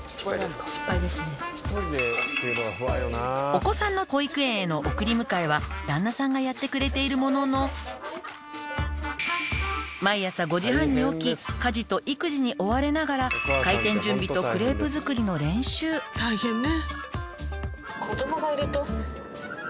「お子さんの保育園への送り迎えは旦那さんがやってくれているものの毎朝５時半に起き家事と育児に追われながら開店準備とクレープ作りの練習」「大変ね」